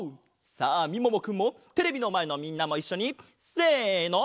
さあみももくんもテレビのまえのみんなもいっしょにせの！